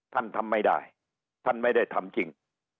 ทำไม่ได้ท่านไม่ได้ทำจริง